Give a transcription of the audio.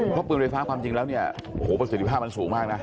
เพราะปืนไฟฟ้าความจริงแล้วเนี่ยโอ้โหประสิทธิภาพมันสูงมากนะ